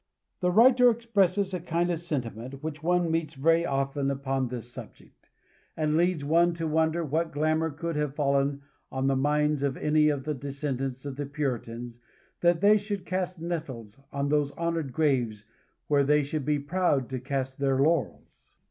The writer expresses a kind of sentiment which one meets very often upon this subject, and leads one to wonder what glamour could have fallen on the minds of any of the descendants of the Puritans, that they should cast nettles on those honored graves where they should be proud to cast their laurels.